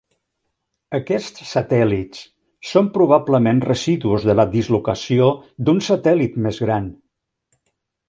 Aquests satèl·lits són probablement residus de la dislocació d'un satèl·lit més gran.